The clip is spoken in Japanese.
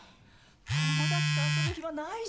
友達と遊ぶ暇ないじゃん。